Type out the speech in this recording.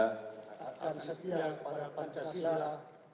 dan undang undang dasar negara republik indonesia